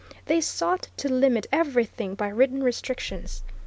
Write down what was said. They sought to limit everything by written restrictions.